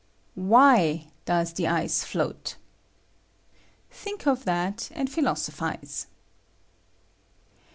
Why does the ice float? Think ^^H of that, and philosophize.